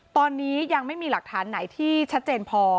ตอนนี้ยังไม่มีหลักฐานไหนที่ชัดเจนพอ